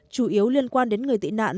chủ yếu liên quan đến người tị nạn